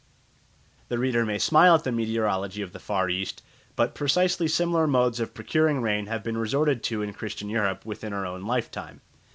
The reader may smile at the meteorology of the Far East; but precisely similar modes of procuring rain have been resorted to in Christian Europe within our own lifetime.